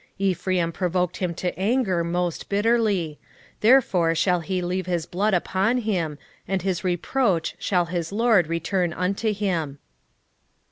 12:14 Ephraim provoked him to anger most bitterly: therefore shall he leave his blood upon him, and his reproach shall his LORD return unto him.